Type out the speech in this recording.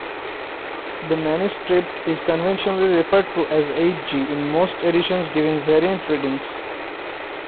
The manuscript is conventionally referred to as Hg in most editions giving variant readings.